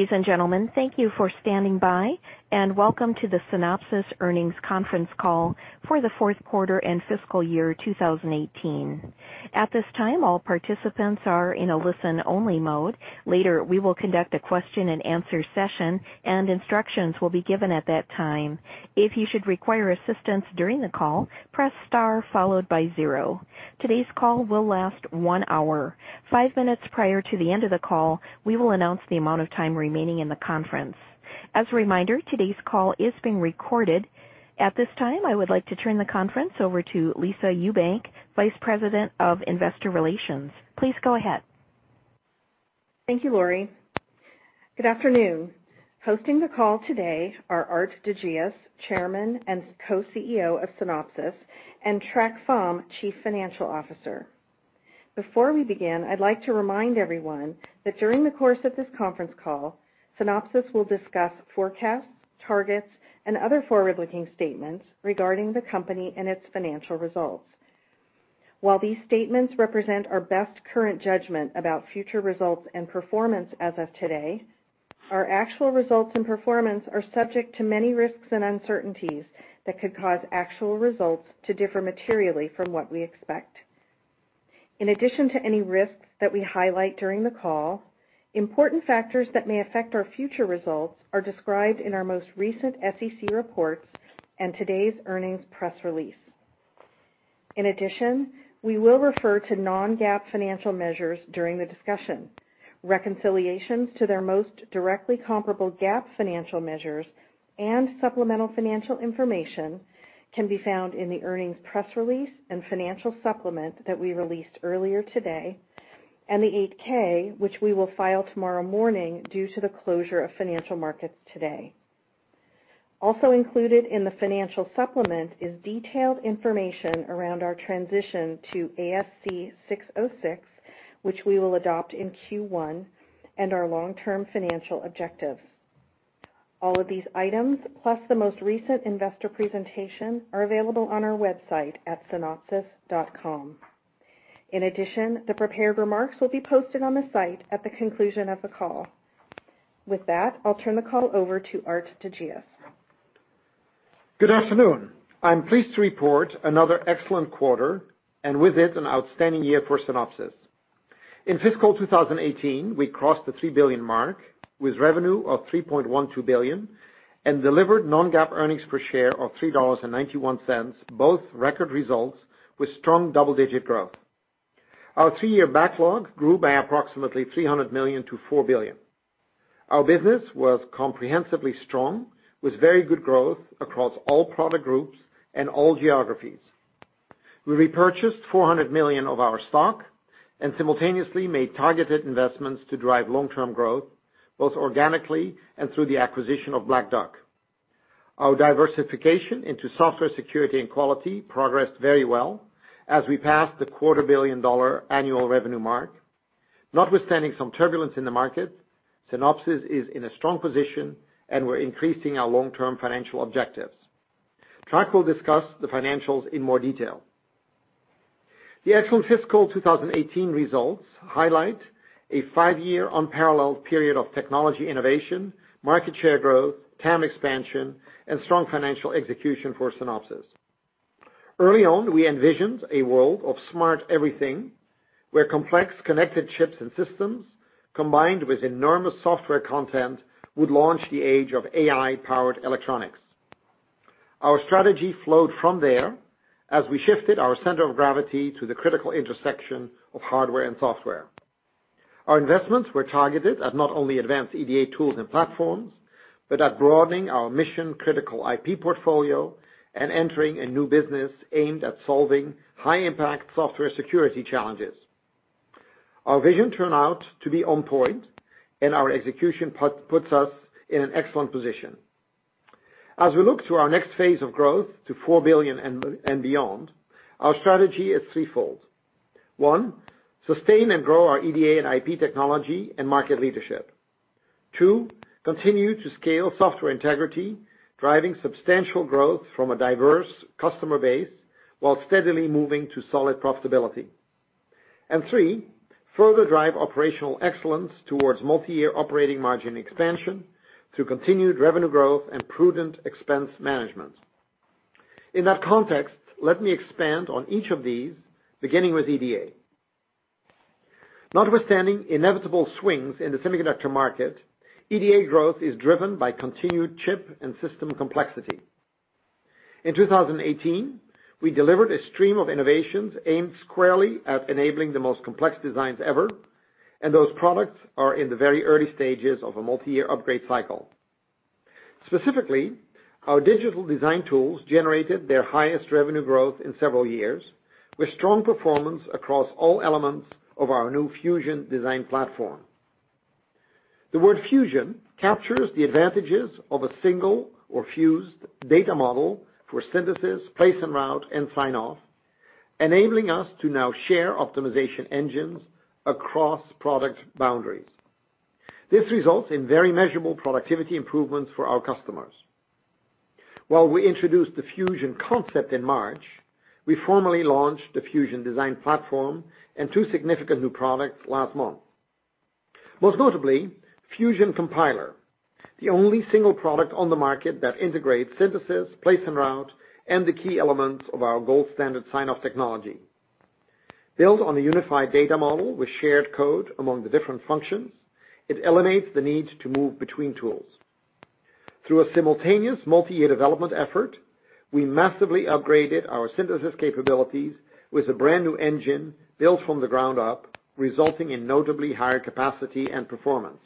Ladies and gentlemen, thank you for standing by, and welcome to the Synopsys earnings conference call for the fourth quarter and fiscal year 2018. At this time, all participants are in a listen-only mode. Later, we will conduct a question-and-answer session, and instructions will be given at that time. If you should require assistance during the call, press star followed by zero. Today's call will last one hour. five minutes prior to the end of the call, we will announce the amount of time remaining in the conference. As a reminder, today's call is being recorded. At this time, I would like to turn the conference over to Lisa Ewbank, Vice President of Investor Relations. Please go ahead. Thank you, Lori. Good afternoon. Hosting the call today are Aart de Geus, Chairman and Co-CEO of Synopsys, and Trac Pham, Chief Financial Officer. Before we begin, I'd like to remind everyone that during the course of this conference call, Synopsys will discuss forecasts, targets, and other forward-looking statements regarding the company and its financial results. While these statements represent our best current judgment about future results and performance as of today, our actual results and performance are subject to many risks and uncertainties that could cause actual results to differ materially from what we expect. In addition to any risks that we highlight during the call, important factors that may affect our future results are described in our most recent SEC reports and today's earnings press release. In addition, we will refer to non-GAAP financial measures during the discussion. Reconciliations to their most directly comparable GAAP financial measures and supplemental financial information can be found in the earnings press release and financial supplement that we released earlier today, and the 8-K, which we will file tomorrow morning due to the closure of financial markets today. Also included in the financial supplement is detailed information around our transition to ASC 606, which we will adopt in Q1, and our long-term financial objectives. All of these items, plus the most recent investor presentation, are available on our website at synopsys.com. In addition, the prepared remarks will be posted on the site at the conclusion of the call. With that, I'll turn the call over to Aart de Geus. Good afternoon. I'm pleased to report another excellent quarter and with it an outstanding year for Synopsys. In fiscal 2018, we crossed the $3 billion mark with revenue of $3.12 billion and delivered non-GAAP earnings per share of $3.91, both record results with strong double-digit growth. Our three-year backlog grew by approximately $300 million to $4 billion. Our business was comprehensively strong with very good growth across all product groups and all geographies. We repurchased $400 million of our stock and simultaneously made targeted investments to drive long-term growth, both organically and through the acquisition of Black Duck. Our diversification into software security and quality progressed very well as we passed the $250,000,000 annual revenue mark. Notwithstanding some turbulence in the market, Synopsys is in a strong position, and we're increasing our long-term financial objectives. Trac will discuss the financials in more detail. The actual fiscal 2018 results highlight a five-year unparalleled period of technology innovation, market share growth, TAM expansion, and strong financial execution for Synopsys. Early on, we envisioned a world of smart everything, where complex connected chips and systems, combined with enormous software content, would launch the age of AI-powered electronics. Our strategy flowed from there as we shifted our center of gravity to the critical intersection of hardware and software. Our investments were targeted at not only advanced EDA tools and platforms, but at broadening our mission-critical IP portfolio and entering a new business aimed at solving high-impact software security challenges. Our vision turned out to be on point, and our execution puts us in an excellent position. As we look to our next phase of growth to $4 billion and beyond, our strategy is threefold. One, sustain and grow our EDA and IP technology and market leadership. Two, continue to scale Software Integrity, driving substantial growth from a diverse customer base while steadily moving to solid profitability. Three, further drive operational excellence towards multi-year operating margin expansion through continued revenue growth and prudent expense management. In that context, let me expand on each of these, beginning with EDA. Notwithstanding inevitable swings in the semiconductor market, EDA growth is driven by continued chip and system complexity. In 2018, we delivered a stream of innovations aimed squarely at enabling the most complex designs ever, and those products are in the very early stages of a multi-year upgrade cycle. Specifically, our digital design tools generated their highest revenue growth in several years, with strong performance across all elements of our new Fusion Design Platform. The word fusion captures the advantages of a single or fused data model for synthesis, place and route, and signoff, enabling us to now share optimization engines across product boundaries. This results in very measurable productivity improvements for our customers. While we introduced the Fusion concept in March, we formally launched the Fusion Design Platform and two significant new products last month. Most notably, Fusion Compiler, the only single product on the market that integrates synthesis, place and route, and the key elements of our gold standard sign-off technology. Built on a unified data model with shared code among the different functions, it eliminates the need to move between tools. Through a simultaneous multi-year development effort, we massively upgraded our synthesis capabilities with a brand-new engine built from the ground up, resulting in notably higher capacity and performance.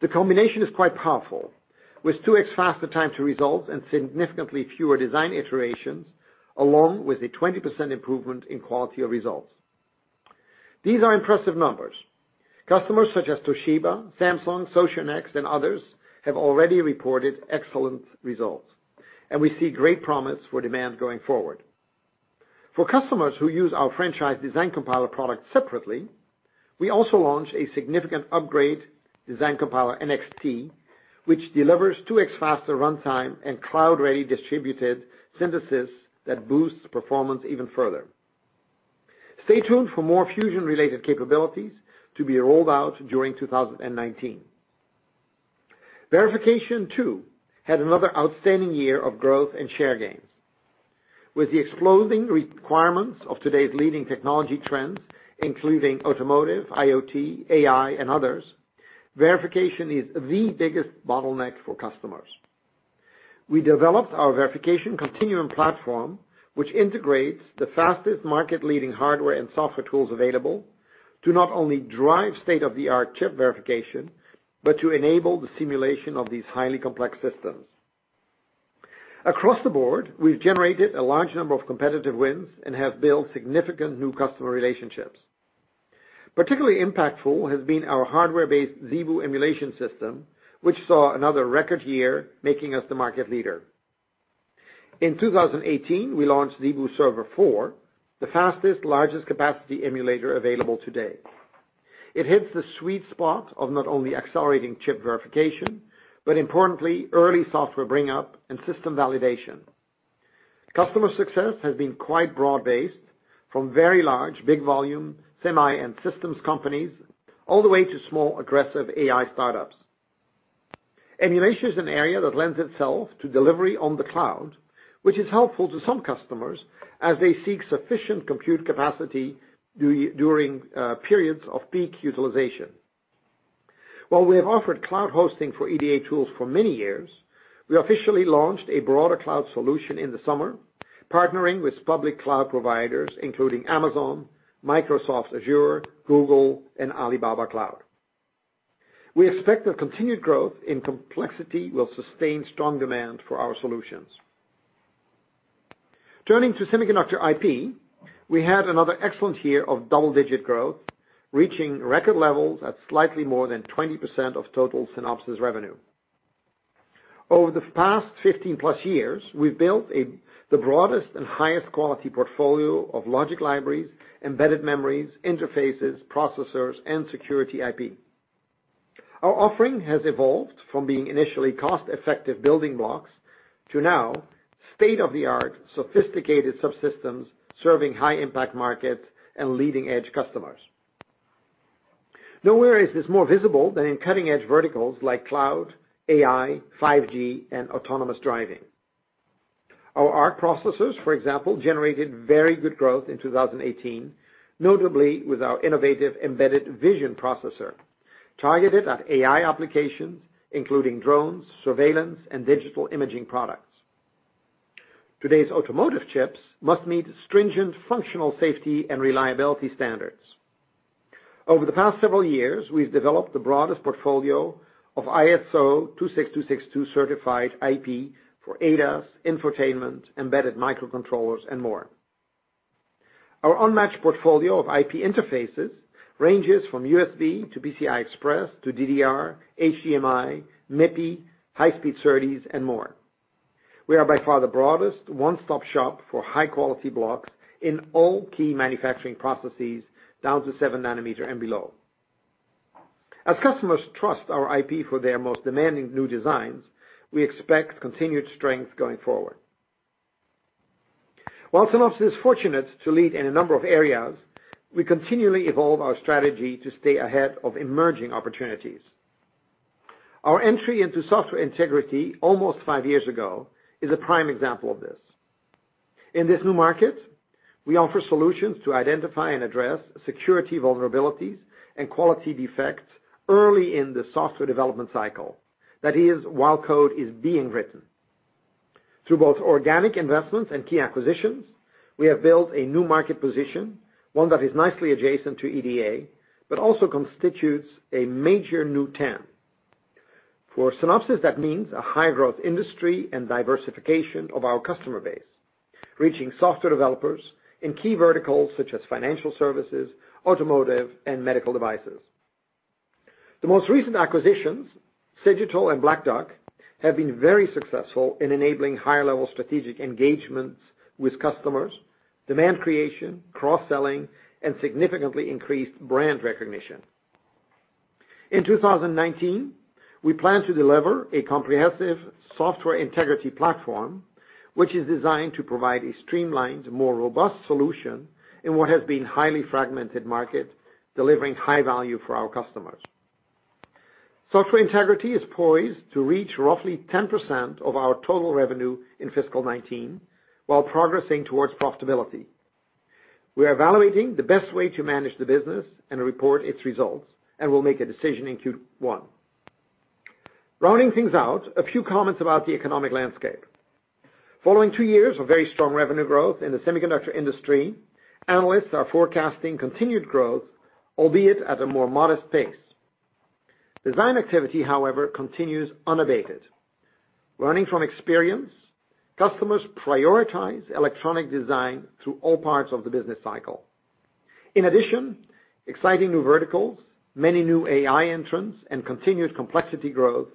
The combination is quite powerful, with 2x faster time to resolve and significantly fewer design iterations, along with a 20% improvement in quality of results. These are impressive numbers. Customers such as Toshiba, Samsung, Socionext, and others have already reported excellent results, and we see great promise for demand going forward. For customers who use our franchise Design Compiler product separately, we also launched a significant upgrade, Design Compiler NXT, which delivers 2x faster runtime and cloud-ready distributed synthesis that boosts performance even further. Stay tuned for more Fusion-related capabilities to be rolled out during 2019. Verification, too, had another outstanding year of growth and share gains. With the exploding requirements of today's leading technology trends, including automotive, IoT, AI, and others, verification is the biggest bottleneck for customers. We developed our Verification Continuum platform, which integrates the fastest market-leading hardware and software tools available to not only drive state-of-the-art chip verification, but to enable the simulation of these highly complex systems. Across the board, we've generated a large number of competitive wins and have built significant new customer relationships. Particularly impactful has been our hardware-based ZeBu emulation system, which saw another record year, making us the market leader. In 2018, we launched ZeBu Server 4, the fastest, largest capacity emulator available today. It hits the sweet spot of not only accelerating chip verification, but importantly, early software bring-up and system validation. Customer success has been quite broad-based, from very large, big volume, semi and systems companies, all the way to small, aggressive AI startups. Emulation is an area that lends itself to delivery on the cloud, which is helpful to some customers as they seek sufficient compute capacity during periods of peak utilization. While we have offered cloud hosting for EDA tools for many years, we officially launched a broader cloud solution in the summer, partnering with public cloud providers including Amazon, Microsoft Azure, Google, and Alibaba Cloud. We expect that continued growth and complexity will sustain strong demand for our solutions. Turning to Semiconductor IP, we had another excellent year of double-digit growth, reaching record levels at slightly more than 20% of total Synopsys revenue. Over the past 15+ years, we've built the broadest and highest quality portfolio of logic libraries, embedded memories, interfaces, processors, and security IP. Our offering has evolved from being initially cost-effective building blocks to now state-of-the-art, sophisticated subsystems serving high-impact markets and leading-edge customers. Nowhere is this more visible than in cutting-edge verticals like cloud, AI, 5G, and autonomous driving. Our ARC processors, for example, generated very good growth in 2018, notably with our innovative embedded vision processor, targeted at AI applications, including drones, surveillance, and digital imaging products. Today's automotive chips must meet stringent functional safety and reliability standards. Over the past several years, we've developed the broadest portfolio of ISO 26262 certified IP for ADAS, infotainment, embedded microcontrollers, and more. Our unmatched portfolio of IP interfaces ranges from USB to PCI Express to DDR, HDMI, MIPI, high-speed SerDes, and more. We are by far the broadest one-stop shop for high-quality blocks in all key manufacturing processes down to 7 nm and below. As customers trust our IP for their most demanding new designs, we expect continued strength going forward. While Synopsys is fortunate to lead in a number of areas, we continually evolve our strategy to stay ahead of emerging opportunities. Our entry into Software Integrity almost five years ago is a prime example of this. In this new market, we offer solutions to identify and address security vulnerabilities and quality defects early in the software development cycle. That is, while code is being written. Through both organic investments and key acquisitions, we have built a new market position, one that is nicely adjacent to EDA, but also constitutes a major new TAM. For Synopsys, that means a high-growth industry and diversification of our customer base, reaching software developers in key verticals such as financial services, automotive, and medical devices. The most recent acquisitions, Cigital and Black Duck, have been very successful in enabling higher-level strategic engagements with customers, demand creation, cross-selling, and significantly increased brand recognition. In 2019, we plan to deliver a comprehensive software integrity platform, which is designed to provide a streamlined, more robust solution in what has been a highly fragmented market, delivering high value for our customers. Software integrity is poised to reach roughly 10% of our total revenue in fiscal 2019, while progressing towards profitability. We are evaluating the best way to manage the business and report its results, and will make a decision in Q1. Rounding things out, a few comments about the economic landscape. Following two years of very strong revenue growth in the semiconductor industry, analysts are forecasting continued growth, albeit at a more modest pace. Design activity, however, continues unabated. Learning from experience, customers prioritize electronic design through all parts of the business cycle. In addition, exciting new verticals, many new AI entrants, and continued complexity growth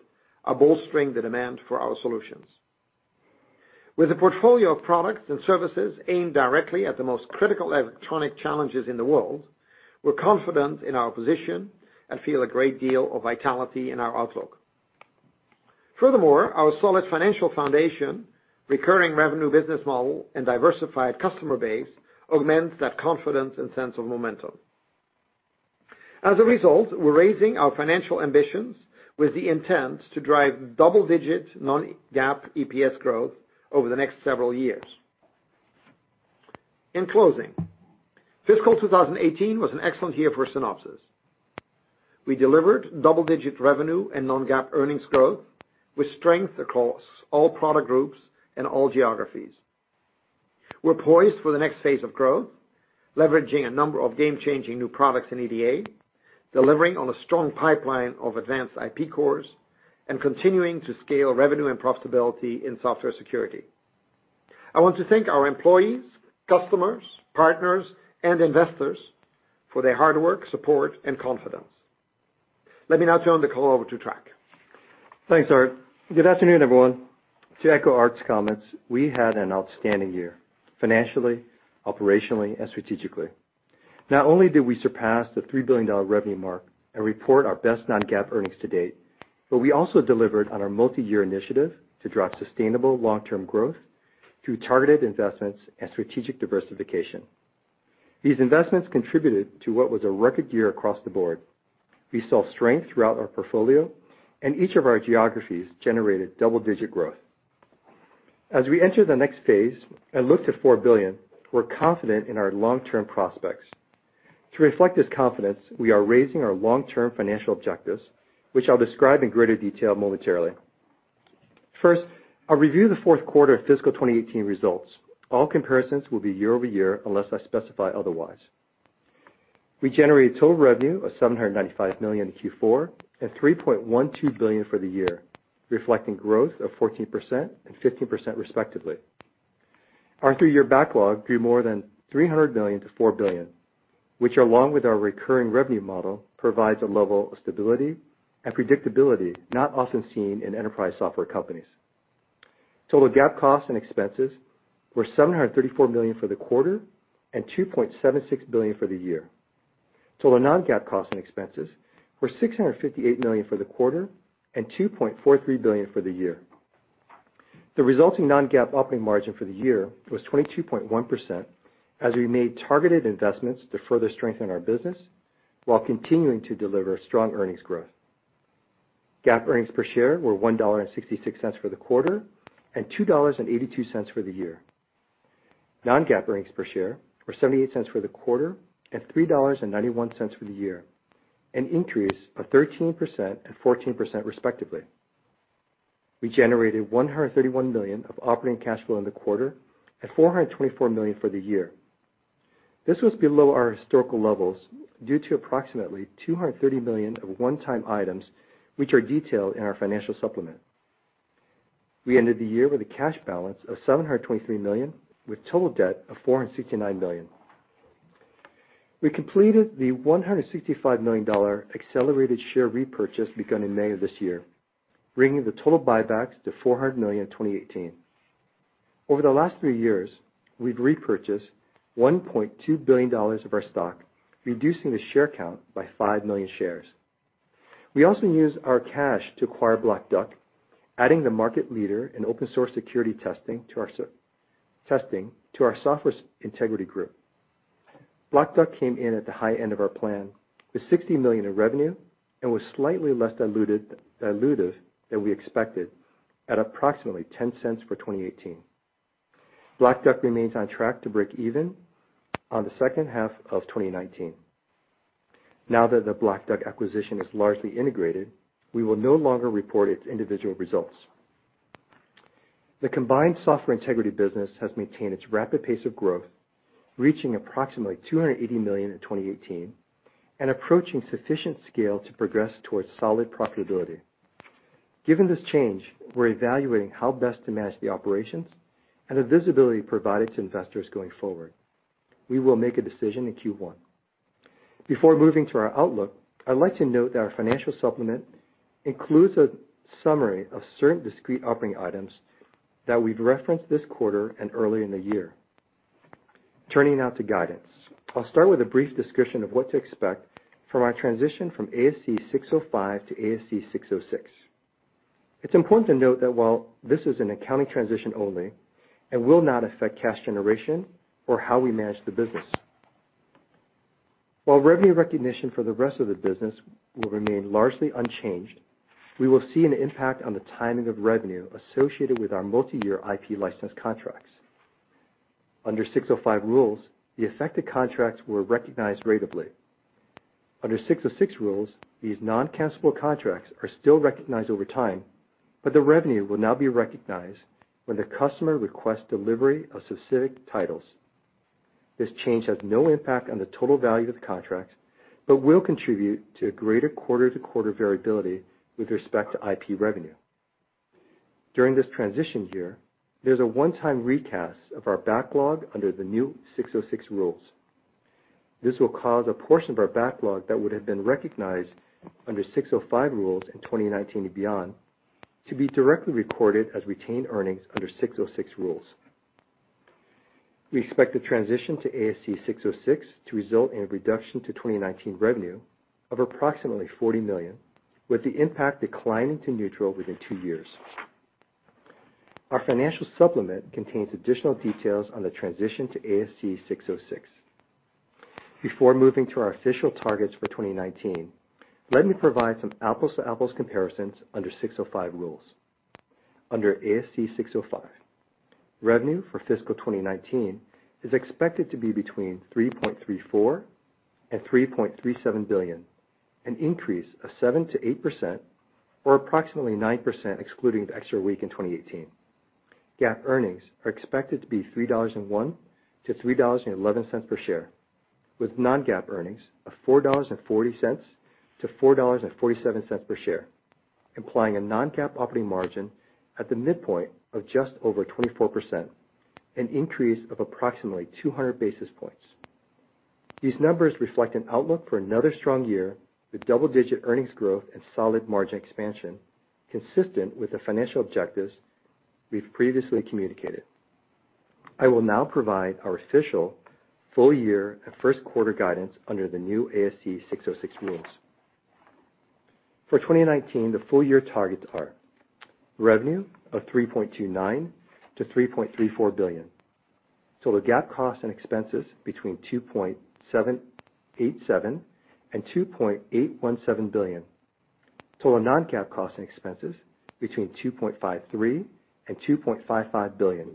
are bolstering the demand for our solutions. With a portfolio of products and services aimed directly at the most critical electronic challenges in the world, we're confident in our position and feel a great deal of vitality in our outlook. Furthermore, our solid financial foundation, recurring revenue business model, and diversified customer base augments that confidence and sense of momentum. As a result, we're raising our financial ambitions with the intent to drive double-digit non-GAAP EPS growth over the next several years. In closing, fiscal 2018 was an excellent year for Synopsys. We delivered double-digit revenue and non-GAAP earnings growth with strength across all product groups and all geographies. We're poised for the next phase of growth, leveraging a number of game-changing new products in EDA, delivering on a strong pipeline of advanced IP cores, and continuing to scale revenue and profitability in software security. I want to thank our employees, customers, partners, and investors for their hard work, support, and confidence. Let me now turn the call over to Trac. Thanks, Aart. Good afternoon, everyone. To echo Aart's comments, we had an outstanding year financially, operationally, and strategically. Not only did we surpass the $3 billion revenue mark and report our best non-GAAP earnings to date, but we also delivered on our multi-year initiative to drive sustainable long-term growth through targeted investments and strategic diversification. These investments contributed to what was a record year across the board. We saw strength throughout our portfolio, and each of our geographies generated double-digit growth. As we enter the next phase and look to $4 billion, we're confident in our long-term prospects. To reflect this confidence, we are raising our long-term financial objectives, which I'll describe in greater detail momentarily. First, I'll review the fourth quarter of fiscal 2018 results. All comparisons will be year-over-year, unless I specify otherwise. We generated total revenue of $795 million in Q4, and $3.12 billion for the year, reflecting growth of 14% and 15% respectively. Our three-year backlog grew more than $300 million to $4 billion, which, along with our recurring revenue model, provides a level of stability and predictability not often seen in enterprise software companies. Total GAAP costs and expenses were $734 million for the quarter and $2.76 billion for the year. Total non-GAAP costs and expenses were $658 million for the quarter and $2.43 billion for the year. The resulting non-GAAP operating margin for the year was 22.1% as we made targeted investments to further strengthen our business while continuing to deliver strong earnings growth. GAAP earnings per share were $1.66 for the quarter, and $2.82 for the year. Non-GAAP earnings per share were $0.78 for the quarter and $3.91 for the year, an increase of 13% and 14% respectively. We generated $131 million of operating cash flow in the quarter, and $424 million for the year. This was below our historical levels due to approximately $230 million of one-time items, which are detailed in our financial supplement. We ended the year with a cash balance of $723 million, with total debt of $469 million. We completed the $165 million accelerated share repurchase begun in May of this year, bringing the total buybacks to $400 million in 2018. Over the last three years, we've repurchased $1.2 billion of our stock, reducing the share count by 5 million shares. We also used our cash to acquire Black Duck, adding the market leader in open source security testing to our Software Integrity Group. Black Duck came in at the high end of our plan, with $60 million in revenue and was slightly less dilutive than we expected at approximately $0.10 for 2018. Black Duck remains on track to break even on the second half of 2019. Now that the Black Duck acquisition is largely integrated, we will no longer report its individual results. The combined software integrity business has maintained its rapid pace of growth, reaching approximately $280 million in 2018, and approaching sufficient scale to progress towards solid profitability. Given this change, we're evaluating how best to manage the operations and the visibility provided to investors going forward. We will make a decision in Q1. Before moving to our outlook, I'd like to note that our financial supplement includes a summary of certain discrete operating items that we've referenced this quarter and early in the year. Turning now to guidance. I'll start with a brief description of what to expect from our transition from ASC 605 to ASC 606. It's important to note that while this is an accounting transition only, it will not affect cash generation or how we manage the business. While revenue recognition for the rest of the business will remain largely unchanged, we will see an impact on the timing of revenue associated with our multi-year IP license contracts. Under 605 rules, the affected contracts were recognized ratably. Under 606 rules, these non-cancellable contracts are still recognized over time, but the revenue will now be recognized when the customer requests delivery of specific titles. This change has no impact on the total value of the contracts but will contribute to greater quarter-to-quarter variability with respect to IP revenue. During this transition year, there's a one-time recast of our backlog under the new 606 rules. This will cause a portion of our backlog that would have been recognized under ASC 605 rules in 2019 and beyond to be directly recorded as retained earnings under ASC 606 rules. We expect the transition to ASC 606 to result in a reduction to 2019 revenue of approximately $40 million, with the impact declining to neutral within two years. Our financial supplement contains additional details on the transition to ASC 606. Before moving to our official targets for 2019, let me provide some apples-to-apples comparisons under ASC 605 rules. Under ASC 605, revenue for fiscal 2019 is expected to be between $3.34 billion and $3.37 billion, an increase of 7%-8%, or approximately 9% excluding the extra week in 2018. GAAP earnings are expected to be $3.01-$3.11 per share, with non-GAAP earnings of $4.40-$4.47 per share, implying a non-GAAP operating margin at the midpoint of just over 24%, an increase of approximately 200 basis points. These numbers reflect an outlook for another strong year with double-digit earnings growth and solid margin expansion, consistent with the financial objectives we've previously communicated. I will now provide our official full-year and first-quarter guidance under the new ASC 606 rules. For 2019, the full-year targets are revenue of $3.29 billion-$3.34 billion; total GAAP costs and expenses between $2.787 billion and $2.817 billion; total non-GAAP costs and expenses between $2.53 billion and $2.55 billion,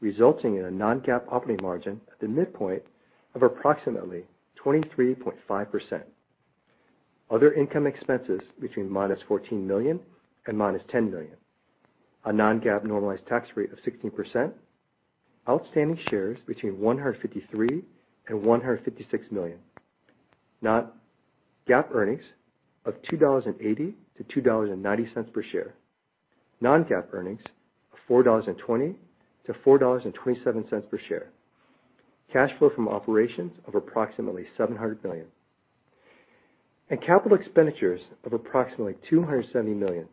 resulting in a non-GAAP operating margin at the midpoint of approximately 23.5%; other income expenses between -$14 million and -$10 million; a non-GAAP normalized tax rate of 16%; outstanding shares between 153 million and 156 million; GAAP earnings of $2.80-$2.90 per share; non-GAAP earnings of $4.20-$4.27 per share; cash flow from operations of approximately $700 million; and capital expenditures of approximately $270 million.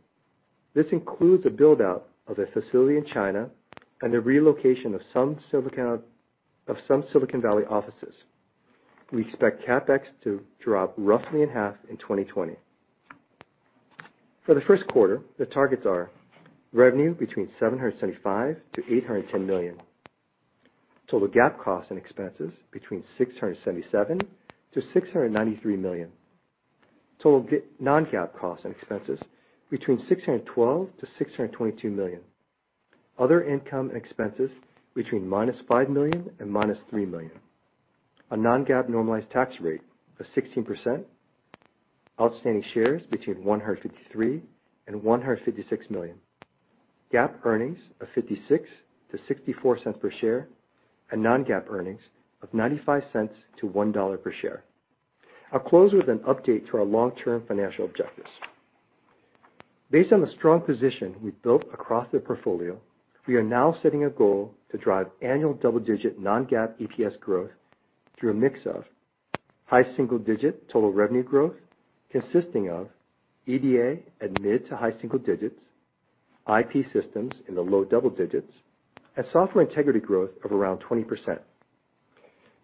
This includes a build-out of a facility in China and the relocation of some Silicon Valley offices. We expect CapEx to drop roughly in half in 2020. For the first quarter, the targets are revenue between $775 million-$810 million; total GAAP costs and expenses between $677 million-$693 million; total non-GAAP costs and expenses between $612 million-$622 million; other income expenses between -$5 million and -$3 million; a non-GAAP normalized tax rate of 16%; outstanding shares between 153 million and 156 million; GAAP earnings of $0.56-$0.64 per share, and non-GAAP earnings of $0.95-$1 per share. I'll close with an update to our long-term financial objectives. Based on the strong position we've built across the portfolio, we are now setting a goal to drive annual double-digit non-GAAP EPS growth through a mix of high single-digit total revenue growth, consisting of EDA at mid to high single digits, IP systems in the low double digits, and Software Integrity growth of around 20%.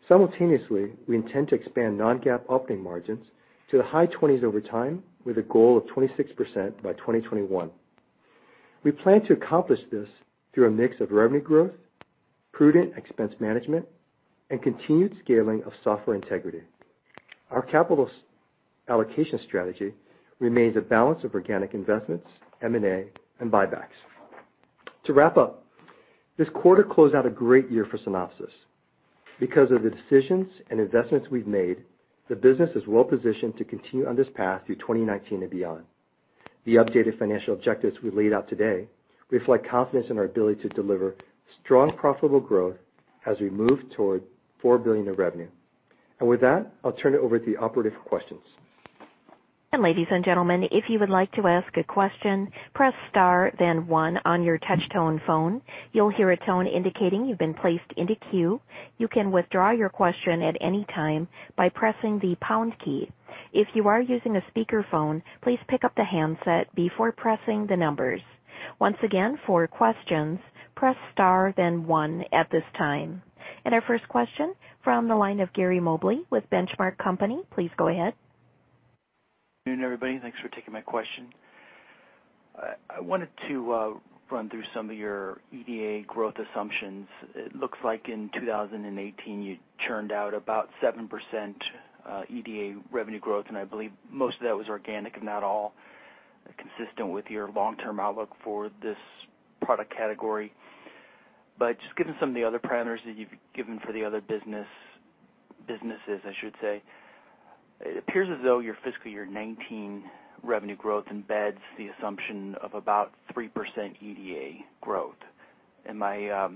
Simultaneously, we intend to expand non-GAAP operating margins to the high twenties over time, with a goal of 26% by 2021. We plan to accomplish this through a mix of revenue growth, prudent expense management, and continued scaling of Software Integrity. Our capital allocation strategy remains a balance of organic investments, M&A, and buybacks. To wrap up, this quarter closed out a great year for Synopsys. Because of the decisions and investments we've made, the business is well positioned to continue on this path through 2019 and beyond. The updated financial objectives we laid out today reflect confidence in our ability to deliver strong, profitable growth as we move toward $4 billion of revenue. With that, I'll turn it over to the operator for questions. Ladies and gentlemen, if you would like to ask a question, press star, then one on your touch-tone phone. You'll hear a tone indicating you've been placed in the queue. You can withdraw your question at any time by pressing the pound key. If you are using a speakerphone, please pick up the handset before pressing the numbers. Once again, for questions, press star then one at this time. Our first question from the line of Gary Mobley with Benchmark Company, please go ahead. Good afternoon, everybody. Thanks for taking my question. I wanted to run through some of your EDA growth assumptions. It looks like in 2018, you churned out about 7% EDA revenue growth, and I believe most of that was organic, if not all, consistent with your long-term outlook for this product category. Just given some of the other parameters that you've given for the other businesses, it appears as though your fiscal year 2019 revenue growth embeds the assumption of about 3% EDA growth. Am I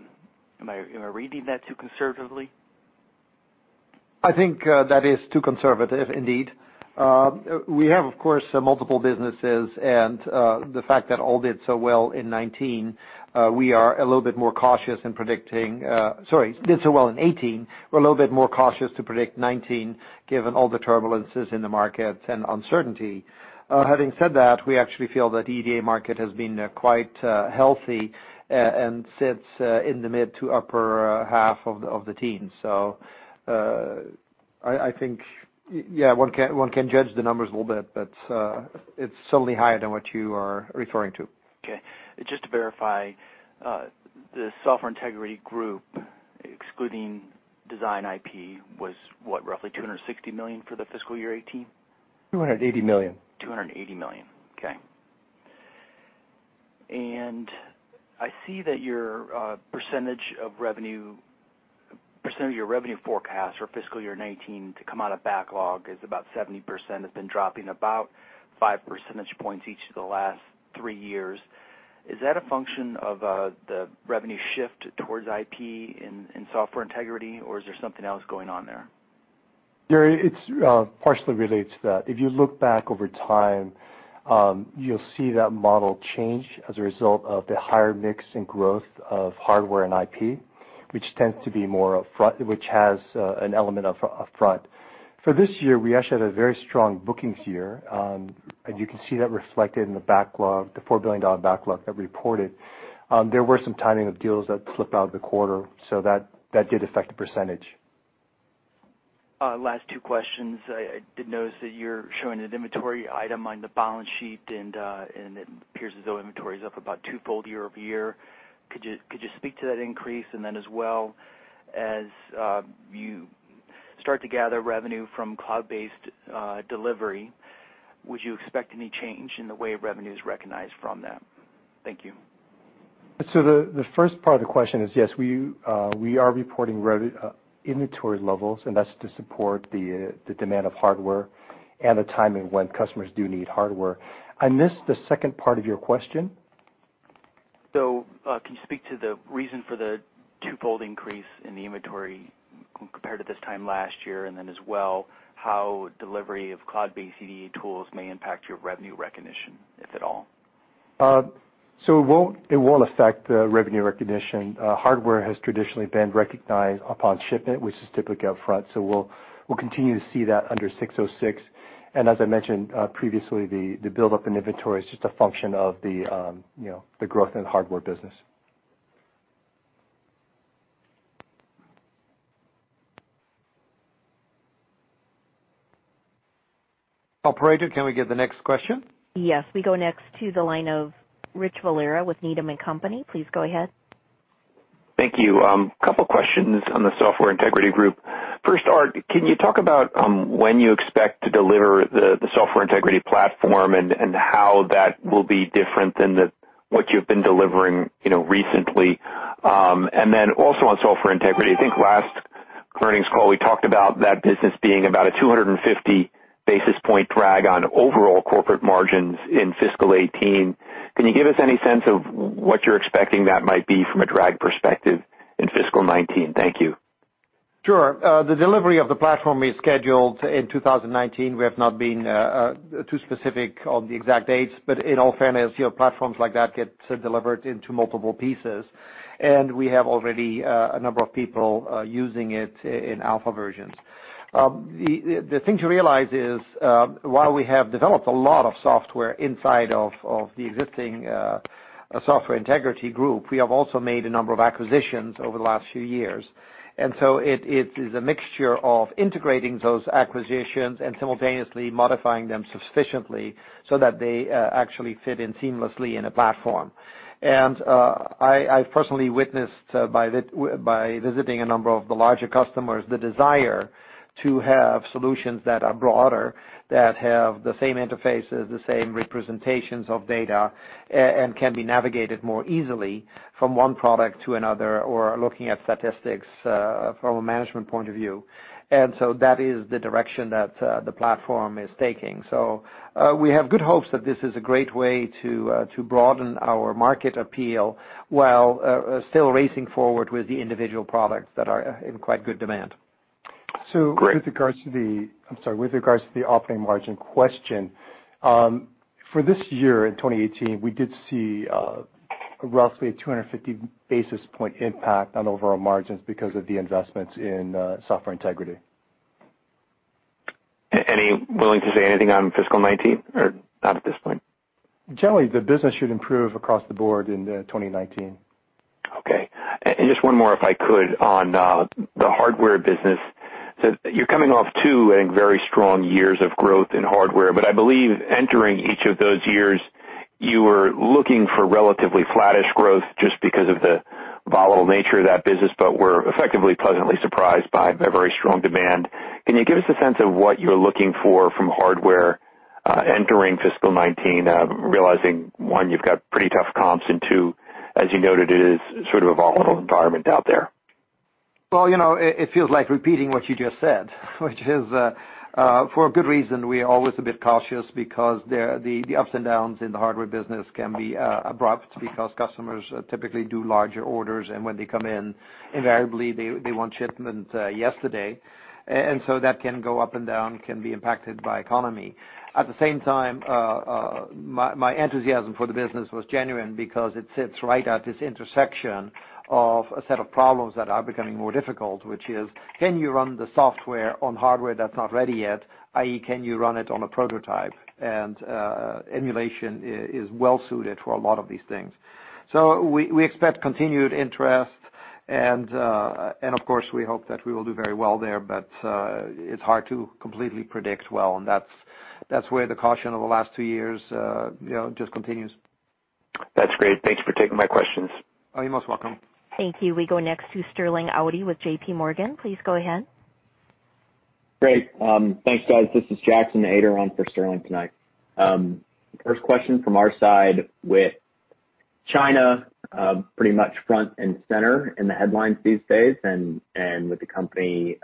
reading that too conservatively? I think that is too conservative, indeed. We have, of course, multiple businesses, the fact that all did so well in 2018, we're a little bit more cautious to predict 2019, given all the turbulence in the markets and uncertainty. Having said that, we actually feel that EDA market has been quite healthy and sits in the mid to upper half of the teens. I think, yeah, one can judge the numbers a little bit, but it's certainly higher than what you are referring to. Okay. Just to verify, the Software Integrity Group, excluding design IP, was what, roughly $260 million for the fiscal year 2018? $280 million. $280 million. Okay. I see that your percentage of your revenue forecast for fiscal year 2019 to come out of backlog is about 70%, has been dropping about five percentage points each of the last three years. Is that a function of the revenue shift towards IP in Software Integrity, or is there something else going on there? Gary, it partially relates to that. If you look back over time, you'll see that model change as a result of the higher mix and growth of hardware and IP, which has an element of upfront. For this year, we actually had a very strong bookings year, and you can see that reflected in the backlog, the $4 billion backlog that we reported. There were some timing of deals that slipped out of the quarter, so that did affect the percentage. Last two questions. I did notice that you're showing an inventory item on the balance sheet, and it appears as though inventory is up about twofold year-over-year. Could you speak to that increase? As well, as you start to gather revenue from cloud-based delivery, would you expect any change in the way revenue is recognized from that? Thank you. The first part of the question is, yes, we are reporting inventory levels, and that's to support the demand of hardware and the timing when customers do need hardware. I missed the second part of your question. Can you speak to the reason for the twofold increase in the inventory compared to this time last year, as well, how delivery of cloud-based EDA tools may impact your revenue recognition, if at all? It won't affect the revenue recognition. Hardware has traditionally been recognized upon shipment, which is typically up front. We'll continue to see that under 606. As I mentioned previously, the buildup in inventory is just a function of the growth in the hardware business. Operator, can we get the next question? Yes. We go next to the line of Rich Valera with Needham & Company. Please go ahead. Thank you. Couple questions on the Software Integrity Group. First, Aart, can you talk about when you expect to deliver the Software Integrity platform and how that will be different than what you've been delivering recently? Also on Software Integrity, I think last earnings call, we talked about that business being about a 250 basis point drag on overall corporate margins in fiscal 2018. Can you give us any sense of what you're expecting that might be from a drag perspective in fiscal 2019? Thank you. Sure. The delivery of the platform is scheduled in 2019. We have not been too specific on the exact dates, in all fairness, platforms like that get delivered into multiple pieces, and we have already a number of people using it in alpha versions. The thing to realize is, while we have developed a lot of software inside of the existing Software Integrity Group, we have also made a number of acquisitions over the last few years. It is a mixture of integrating those acquisitions and simultaneously modifying them sufficiently so that they actually fit in seamlessly in a platform. I personally witnessed, by visiting a number of the larger customers, the desire to have solutions that are broader, that have the same interfaces, the same representations of data, and can be navigated more easily from one product to another or looking at statistics from a management point of view. That is the direction that the platform is taking. We have good hopes that this is a great way to broaden our market appeal while still racing forward with the individual products that are in quite good demand. Great. With regards to the operating margin question, for this year in 2018, we did see roughly a 250 basis point impact on overall margins because of the investments in Software Integrity. Willing to say anything on fiscal 2019 or not at this point? Generally, the business should improve across the board in 2019. Just one more, if I could, on the hardware business. You're coming off two, I think, very strong years of growth in hardware, but I believe entering each of those years, you were looking for relatively flattish growth just because of the volatile nature of that business, but were effectively pleasantly surprised by the very strong demand. Can you give us a sense of what you're looking for from hardware entering fiscal 2019? Realizing, one, you've got pretty tough comps, and two, as you noted, it is sort of a volatile environment out there. Well, it feels like repeating what you just said, which is for a good reason, we are always a bit cautious because the ups and downs in the hardware business can be abrupt because customers typically do larger orders, and when they come in, invariably, they want shipment yesterday. That can go up and down, can be impacted by economy. At the same time, my enthusiasm for the business was genuine because it sits right at this intersection of a set of problems that are becoming more difficult, which is can you run the software on hardware that's not ready yet, i.e., can you run it on a prototype? Emulation is well-suited for a lot of these things. We expect continued interest and of course, we hope that we will do very well there, but it's hard to completely predict well, That's where the caution of the last two years just continues. That's great. Thanks for taking my questions. Oh, you're most welcome. Thank you. We go next to Sterling Auty with J.P. Morgan. Please go ahead. Great. Thanks, guys. This is Jackson Ader on for Sterling tonight. First question from our side, with China pretty much front and center in the headlines these days, and with the company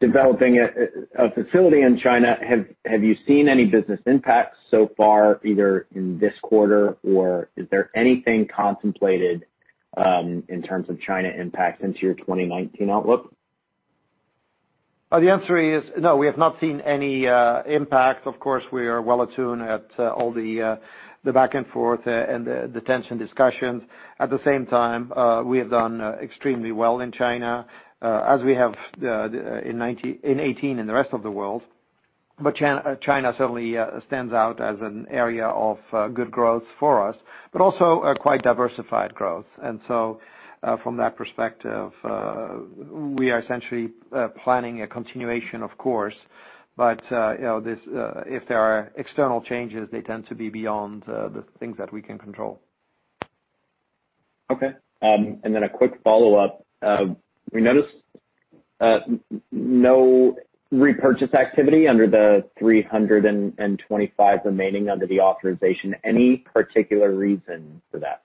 developing a facility in China, have you seen any business impacts so far, either in this quarter or is there anything contemplated in terms of China impact into your 2019 outlook? The answer is no. We have not seen any impact. Of course, we are well attuned at all the back and forth and the tension discussions. At the same time, we have done extremely well in China, as we have in 2018 in the rest of the world. China certainly stands out as an area of good growth for us, but also a quite diversified growth. From that perspective, we are essentially planning a continuation of course, but if there are external changes, they tend to be beyond the things that we can control. Okay. Then a quick follow-up. We noticed no repurchase activity under the $325 remaining under the authorization. Any particular reason for that?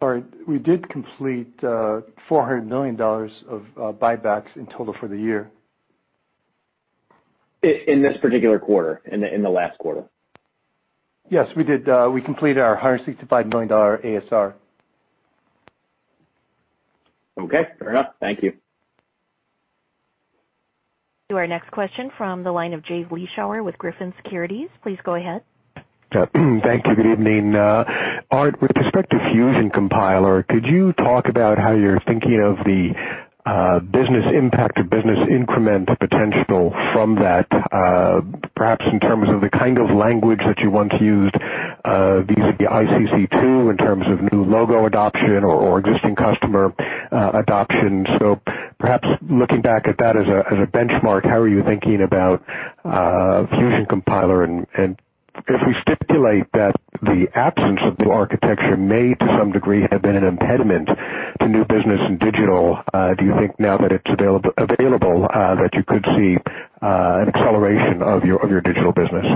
Sorry, we did complete $400 million of buybacks in total for the year. In this particular quarter, in the last quarter. Yes, we did. We completed our $165 million ASR. Okay, fair enough. Thank you. To our next question from the line of Jay Vleeschhouwer with Griffin Securities. Please go ahead. Thank you. Good evening. Aart, with respect to Fusion Compiler, could you talk about how you're thinking of the business impact or business increment potential from that perhaps in terms of the kind of language that you once used vis-a-vis ICC2, in terms of new logo adoption or existing customer adoption. Perhaps looking back at that as a benchmark, how are you thinking about Fusion Compiler? If we stipulate that the absence of new architecture may, to some degree, have been an impediment to new business in digital, do you think now that it's available that you could see an acceleration of your digital business?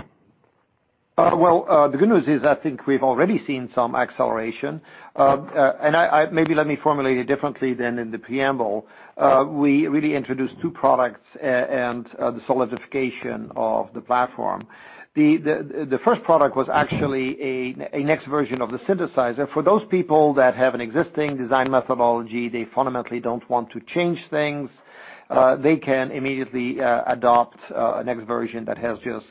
Well, the good news is I think we've already seen some acceleration. Maybe let me formulate it differently than in the preamble. We really introduced two products and the solidification of the platform. The first product was actually a next version of the synthesizer. For those people that have an existing design methodology, they fundamentally don't want to change things, they can immediately adopt a next version that has just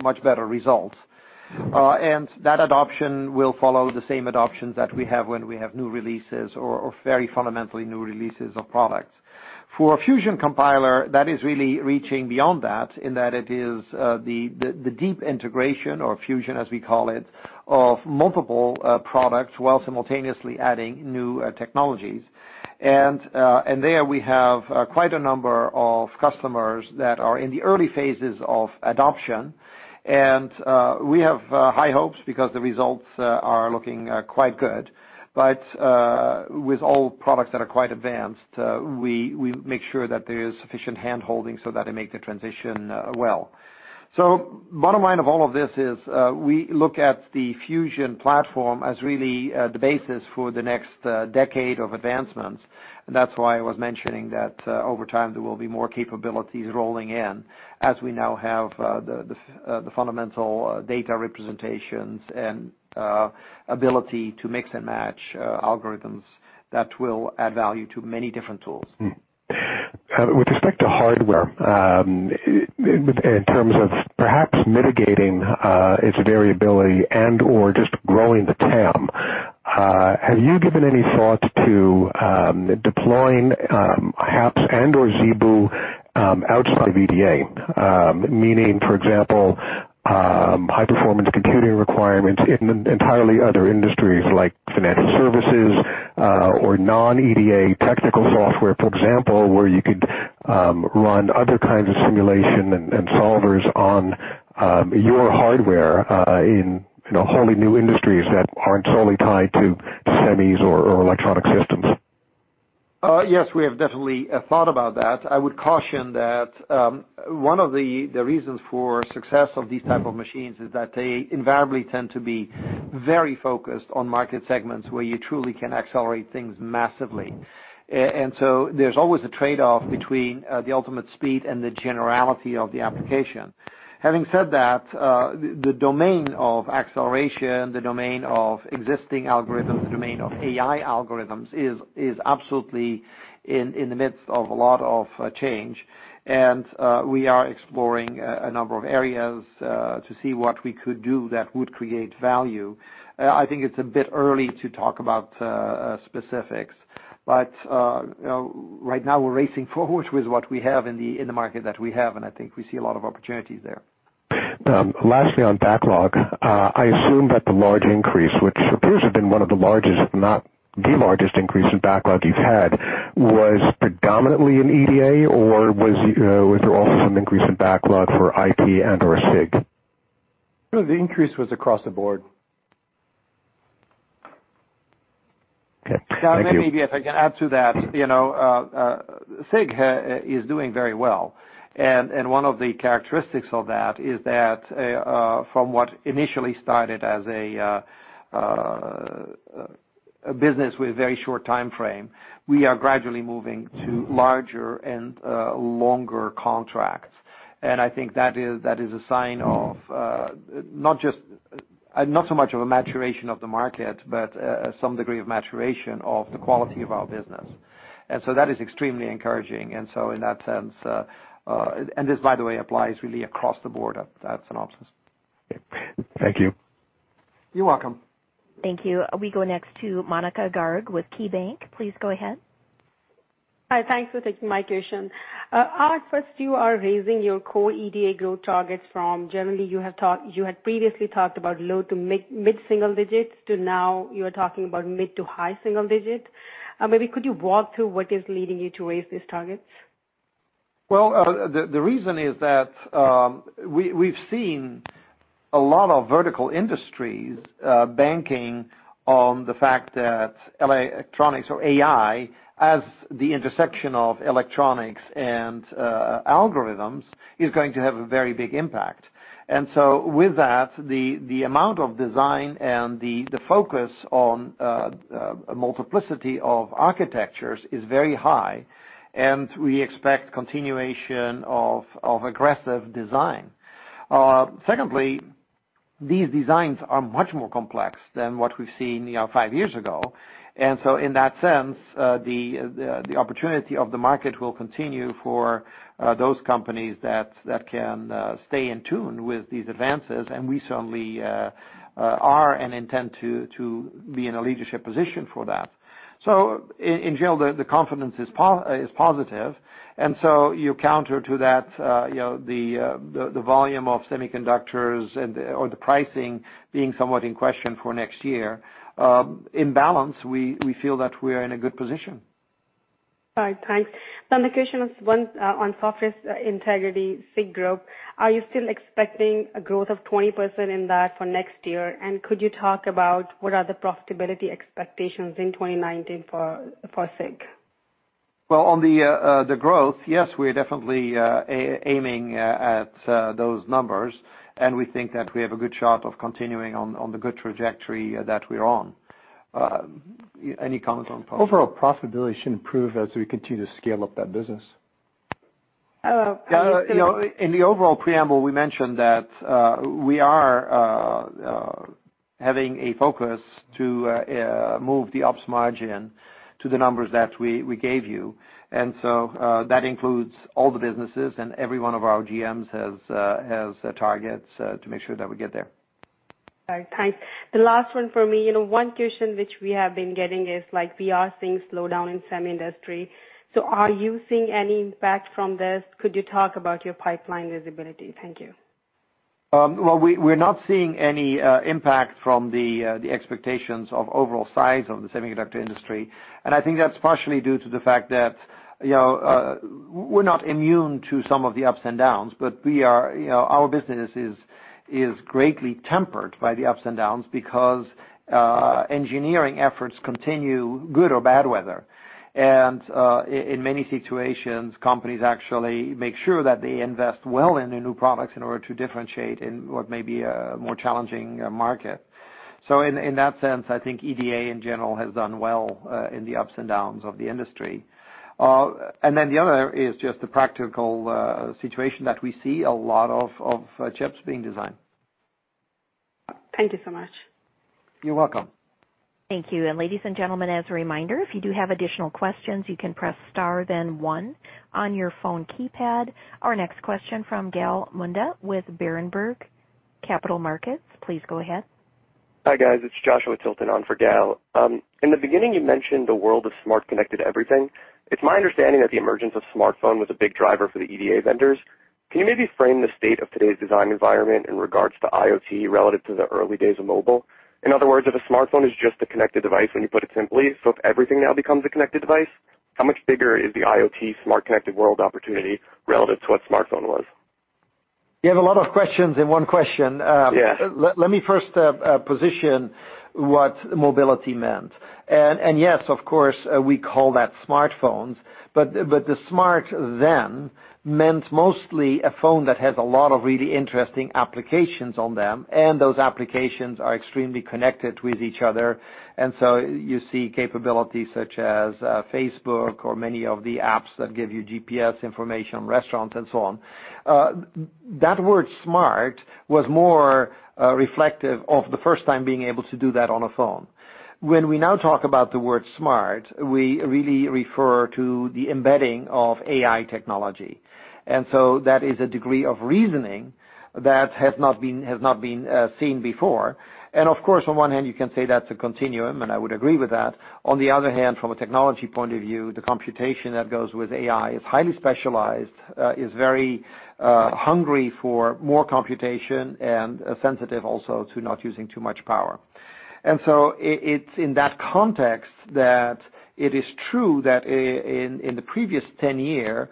much better results. That adoption will follow the same adoptions that we have when we have new releases or very fundamentally new releases of products. For Fusion Compiler, that is really reaching beyond that, in that it is the deep integration or fusion, as we call it, of multiple products while simultaneously adding new technologies. There we have quite a number of customers that are in the early phases of adoption. We have high hopes because the results are looking quite good. With all products that are quite advanced, we make sure that there is sufficient handholding so that they make the transition well. Bottom line of all of this is we look at the Fusion platform as really the basis for the next decade of advancements. That's why I was mentioning that over time, there will be more capabilities rolling in as we now have the fundamental data representations and ability to mix and match algorithms that will add value to many different tools. With respect to hardware, in terms of perhaps mitigating its variability and/or just growing the TAM? Have you given any thought to deploying HAPS and/or ZeBu outside of EDA? Meaning, for example, high-performance computing requirements in entirely other industries like financial services or non-EDA technical software, for example, where you could run other kinds of simulation and solvers on your hardware in wholly new industries that aren't solely tied to semis or electronic systems. Yes, we have definitely thought about that. I would caution that one of the reasons for success of these type of machines is that they invariably tend to be very focused on market segments where you truly can accelerate things massively. There's always a trade-off between the ultimate speed and the generality of the application. Having said that, the domain of acceleration, the domain of existing algorithms, the domain of AI algorithms is absolutely in the midst of a lot of change, we are exploring a number of areas to see what we could do that would create value. I think it's a bit early to talk about specifics, but right now we're racing forward with what we have in the market that we have, I think we see a lot of opportunities there. Lastly, on backlog, I assume that the large increase, which appears to have been one of the largest, if not the largest increase in backlog you've had, was predominantly in EDA, or was there also some increase in backlog for IP and/or SIG? The increase was across the board. Okay. Thank you. Maybe if I can add to that. One of the characteristics of that is that from what initially started as a business with very short timeframe, we are gradually moving to larger and longer contracts. I think that is a sign of not so much of a maturation of the market, but some degree of maturation of the quality of our business. That is extremely encouraging. This, by the way, applies really across the board at Synopsys. Thank you. You're welcome. Thank you. We go next to Monika Garg with KeyBanc. Please go ahead. Hi, thanks for taking my question. Aart, first you are raising your core EDA growth targets from generally you had previously talked about low to mid-single digits, to now you're talking about mid to high single digit. Maybe could you walk through what is leading you to raise these targets? Well, the reason is that we've seen a lot of vertical industries banking on the fact that electronics or AI, as the intersection of electronics and algorithms, is going to have a very big impact. With that, the amount of design and the focus on a multiplicity of architectures is very high, and we expect continuation of aggressive design. Secondly, these designs are much more complex than what we've seen five years ago. In that sense, the opportunity of the market will continue for those companies that can stay in tune with these advances, and we certainly are and intend to be in a leadership position for that. In general, the confidence is positive. You counter to that the volume of semiconductors or the pricing being somewhat in question for next year. In balance, we feel that we are in a good position. All right, thanks. The question was one on Software Integrity Group, SIG. Are you still expecting a growth of 20% in that for next year? Could you talk about what are the profitability expectations in 2019 for SIG? Well, on the growth, yes, we are definitely aiming at those numbers, and we think that we have a good shot of continuing on the good trajectory that we are on. Any comments on profitability? Overall profitability should improve as we continue to scale up that business. In the overall preamble, we mentioned that we are having a focus to move the ops margin to the numbers that we gave you. That includes all the businesses and every one of our GMs has targets to make sure that we get there. All right. Thanks. The last one for me, one question which we have been getting is we are seeing slowdown in semi industry. Are you seeing any impact from this? Could you talk about your pipeline visibility? Thank you. Well, we're not seeing any impact from the expectations of overall size of the semiconductor industry. I think that's partially due to the fact that we're not immune to some of the ups and downs, but our business is greatly tempered by the ups and downs because engineering efforts continue, good or bad weather. In many situations, companies actually make sure that they invest well in their new products in order to differentiate in what may be a more challenging market. In that sense, I think EDA, in general, has done well in the ups and downs of the industry. Then the other is just the practical situation that we see a lot of chips being designed. Thank you so much. You're welcome. Thank you. Ladies and gentlemen, as a reminder, if you do have additional questions, you can press star then one on your phone keypad. Our next question from Gal Munda with Berenberg Capital Markets. Please go ahead. Hi, guys, it's Joshua Tilton on for Gal. In the beginning, you mentioned the world of smart, connected everything. It's my understanding that the emergence of smartphone was a big driver for the EDA vendors. Can you maybe frame the state of today's design environment in regards to IoT relative to the early days of mobile? In other words, if a smartphone is just a connected device when you put it simply, if everything now becomes a connected device, how much bigger is the IoT smart connected world opportunity relative to what smartphone was? You have a lot of questions in one question. Yeah. Let me first position what mobility meant. Yes, of course, we call that smartphones, but the smart then meant mostly a phone that has a lot of really interesting applications on them, and those applications are extremely connected with each other. You see capabilities such as Facebook or many of the apps that give you GPS information on restaurants and so on. That word smart was more reflective of the first time being able to do that on a phone. When we now talk about the word smart, we really refer to the embedding of AI technology. That is a degree of reasoning that has not been seen before. Of course, on one hand, you can say that's a continuum, and I would agree with that. On the other hand, from a technology point of view, the computation that goes with AI is highly specialized, is very hungry for more computation, and sensitive also to not using too much power. It's in that context that it is true that in the previous 10 year,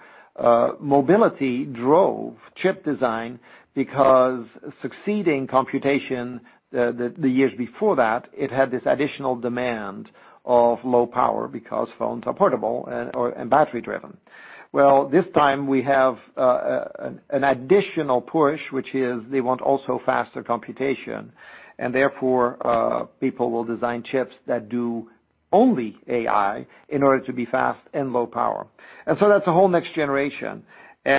mobility drove chip design because succeeding computation the years before that, it had this additional demand of low power because phones are portable and battery driven. Well, this time we have an additional push, which is they want also faster computation, and therefore people will design chips that do only AI in order to be fast and low power. That's a whole next generation. I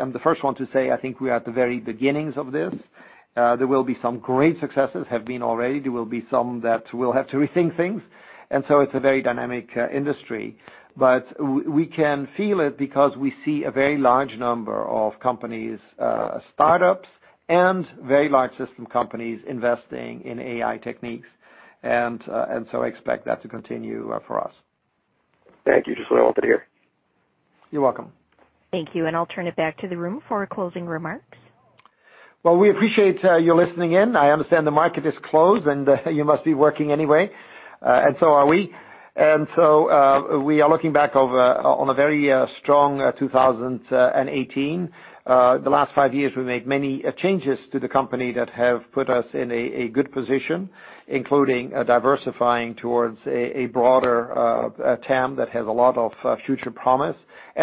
am the first one to say I think we are at the very beginnings of this. There will be some great successes, have been already. There will be some that will have to rethink things. It's a very dynamic industry. We can feel it because we see a very large number of companies, startups, and very large system companies investing in AI techniques. I expect that to continue for us. Thank you. Joshua Tilton here. You're welcome. Thank you. I'll turn it back to the room for closing remarks. Well, we appreciate you listening in. I understand the market is closed, you must be working anyway, and so are we. We are looking back on a very strong 2018. The last five years, we made many changes to the company that have put us in a good position, including diversifying towards a broader TAM that has a lot of future promise,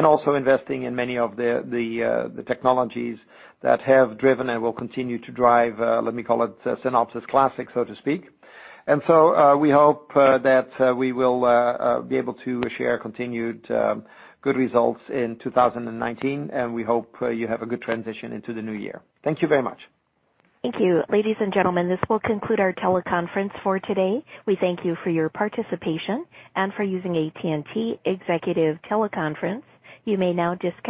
also investing in many of the technologies that have driven and will continue to drive, let me call it Synopsys classic, so to speak. We hope that we will be able to share continued good results in 2019, and we hope you have a good transition into the new year. Thank you very much. Thank you. Ladies and gentlemen, this will conclude our teleconference for today. We thank you for your participation and for using AT&T Executive Teleconference. You may now disconnect.